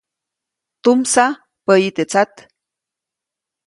Tumsaj päyi te tsat.